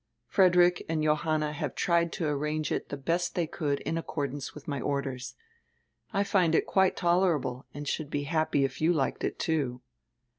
Frederick and Johanna have tried to arrange it die best tiiey could in accordance widi my orders. I find it quite tolerable and should be happy if you liked it, too."